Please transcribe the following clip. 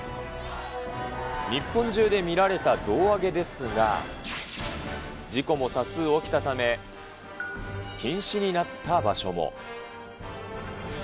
日本中で見られた胴上げですが、事故も多数起きたため、禁止になった場所も。